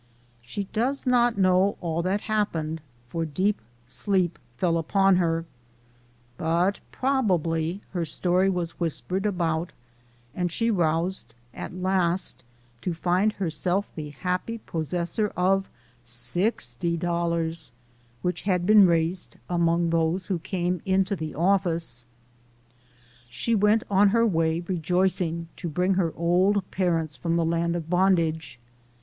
She does not know all that happened, for deep sleep fell upon her; but probably her story was whispered about, and she roused at last to find herself the happy possessor of sixty dollars, which had been raised among those who came into the office. She went on her way rejoicing, to bring her old parents from the land of bondage.